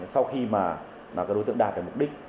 sau khi mà các đối tượng đạt được mục đích